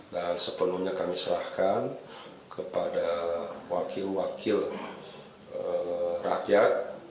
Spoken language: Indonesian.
dan sepenuhnya kami serahkan kepada wakil wakil rakyat